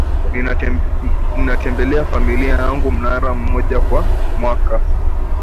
Ninatembelea familia yangu mara moja kwa mwaka